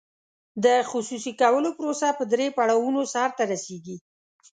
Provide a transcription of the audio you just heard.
د خصوصي کولو پروسه په درې پړاوونو سر ته رسیږي.